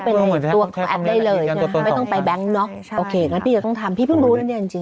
ไม่ต้องไปในตัวแอปได้เลยใช่ไหมไม่ต้องไปแบงค์ล็อคโอเคงั้นพี่จะต้องทำพี่เพิ่งรู้แล้วเนี่ยจริง